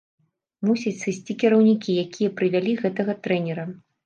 Мусяць сысці кіраўнікі, якія прывялі гэтага трэнера.